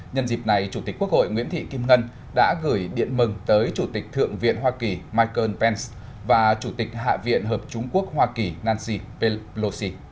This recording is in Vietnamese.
nhân dịp này chủ tịch quốc hội nguyễn thị kim ngân đã gửi điện mừng tới chủ tịch thượng viện hoa kỳ michael pence và chủ tịch hạ viện hợp trung quốc hoa kỳ nancy pelosi